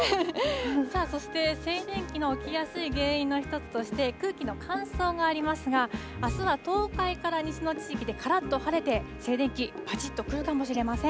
さあ、そして静電気の起きやすい原因の一つとして、空気の乾燥がありますが、あすは東海から西の地域でからっと晴れて、静電気、ぱちっとくるかもしれません。